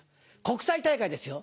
国際大会ですよ。